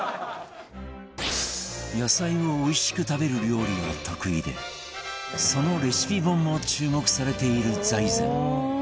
野菜をおいしく食べる料理が得意でそのレシピ本も注目されている財前